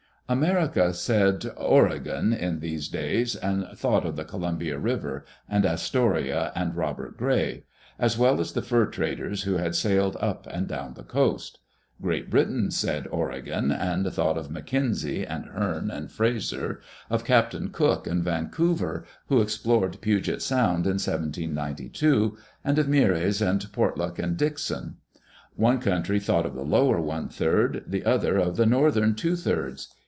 America said " Oregon " in those days and thought of the Columbia River and Astoria and Robert Gray, as well as the fur traders who had sailed up and down the coast ; Great Britain said " Oregon " and thought of Mackenzie and Heam and Frazer, of Captain Cook and Vancouver who explored Puget Sound in 1792, and of Meares and Portlock and Dixon. One country thought of the lower one third, the other of the northern two thirds.